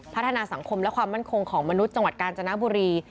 พัฒนาสังคมและความมั่นคงของมนุษย์จังหวัดกาญจนบุรี